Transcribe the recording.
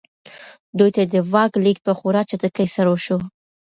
دوی ته د واک لېږد په خورا چټکۍ سره وشو.